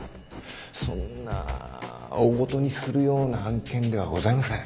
そんな大ごとにするような案件ではございません。